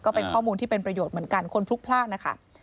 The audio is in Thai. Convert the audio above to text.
ก็เป็นข้อมูลที่เป็นประโยชน์เหมือนกันคนพลุกพลาดนะคะ